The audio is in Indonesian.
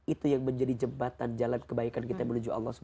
itu yang menjadi jembatan jalan kebaikan kita menuju allah swt